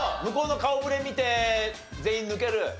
向こうの顔ぶれ見て全員抜ける？